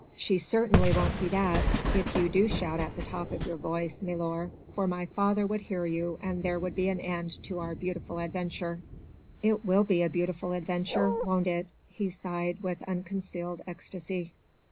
"She certainly won't be that, if you do shout it at the top of your voice, milor, for father would hear you and there would be an end to our beautiful adventure." "It will be a beautiful adventure, won't it?" he sighed with unconcealed ecstasy.